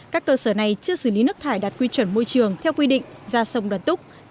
các cơ sở này chưa xử lý nước thải đạt quy chuẩn môi trường theo quy định ra sông đoan túc